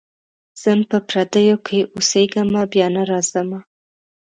ځم په پردیو کي اوسېږمه بیا نه راځمه.